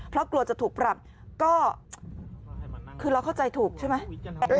เพราะกลัวจะถูกปรับก็คือเราเข้าใจถูกใช่ไหม